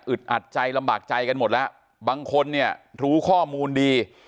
อัดใจลำบากใจกันหมดแล้วบางคนเนี่ยรู้ข้อมูลดี